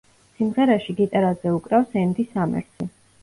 სიმღერაში გიტარაზე უკრავს ენდი სამერსი.